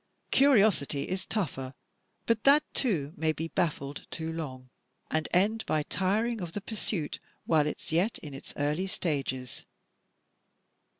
Curiosity is tougher; but that, too, may be baffled too long, and end by tiring of the pursuit while it is yet in its early stages.